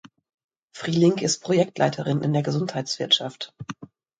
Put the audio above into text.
Frieling ist Projektleiterin in der Gesundheitswirtschaft.